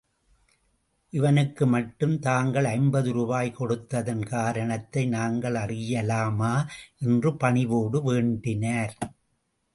இவனுக்கு மட்டும் தாங்கள் ஐம்பது ரூபாய் கொடுத்ததன் காரணத்தை நாங்கள் அறியலாமா? என்று பணிவோடு வேண்டினார்.